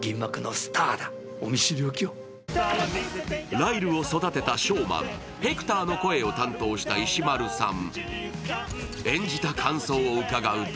ライルを育てたショーマンヘクターの声を担当した石丸さん